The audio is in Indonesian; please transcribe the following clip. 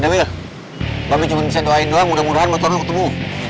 mbak be cuman bisa doain doang mudah mudahan motor wheel ketemu